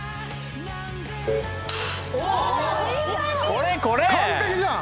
これこれ！